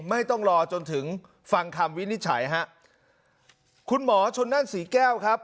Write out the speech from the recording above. ไม่ต้องรอจนถึงฟังคำวินิจฉัยฮะคุณหมอชนนั่นศรีแก้วครับ